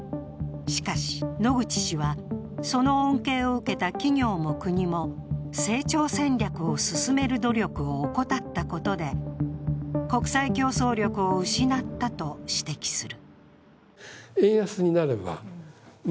しかし野口氏は、その恩恵を受けた企業も国も成長戦略を進める努力を怠ったことで国際競争力を失ったと指摘する。